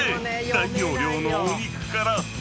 大容量のお肉から］